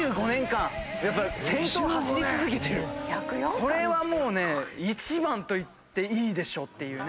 これはもうね一番と言っていいでしょっていうね。